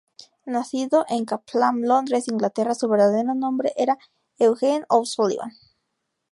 Nacido en Clapham, Londres, Inglaterra, su verdadero nombre era Eugene O'Sullivan.